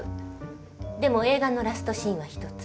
でも映画のラストシーンは１つ。